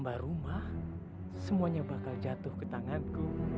terima kasih dulu pak